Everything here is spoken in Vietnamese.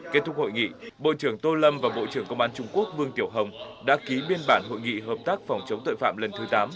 kết thúc hội nghị bộ trưởng tô lâm và bộ trưởng công an trung quốc vương tiểu hồng đã ký biên bản hội nghị hợp tác phòng chống tội phạm lần thứ tám